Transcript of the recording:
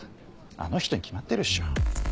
あの人に決まってるでしょ。